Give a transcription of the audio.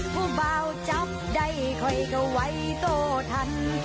ผู้บ่าจับได้ไขวเขาไวโตทาน